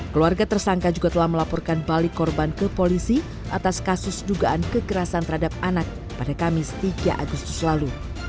keluarga tersangka juga telah melaporkan balik korban ke polisi atas kasus dugaan kekerasan terhadap anak pada kamis tiga agustus lalu